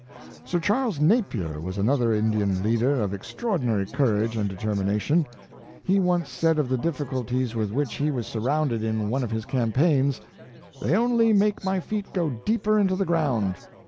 Sir Charles Napier was another Indian leader of ex traordinary courage and determination. He once said Sir Charles Napier, 281 of the difficulties with which he was surrounded in one of his campaigns, " They only make my feet go deeper into the ground."